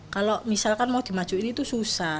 kalau misalkan mau dimajuin itu susah